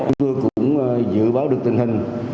chúng tôi cũng dự báo được tình hình